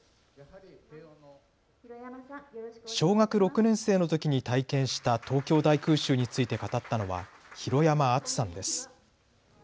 小学６年生のときに体験した東京大空襲について語ったのは廣山敦さんです。